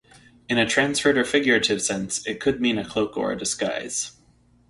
In a transferred or figurative sense, it could mean a cloak or a disguise.